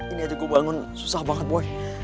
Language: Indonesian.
ini aja gue bangun susah banget boy